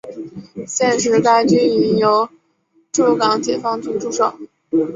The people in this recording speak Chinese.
现时该军营由驻港解放军驻守。